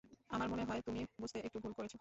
আমার মনে হয় তুমি বুঝতে একটু ভুল করেছো।